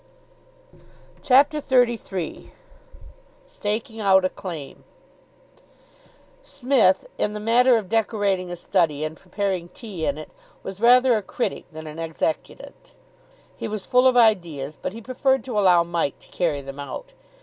CHAPTER XXXIII STAKING OUT A CLAIM Psmith, in the matter of decorating a study and preparing tea in it, was rather a critic than an executant. He was full of ideas, but he preferred to allow Mike to carry them out.